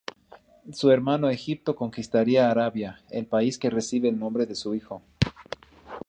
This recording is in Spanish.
Su hermano Egipto conquistaría Arabia, el país que recibe el nombre de su hijo.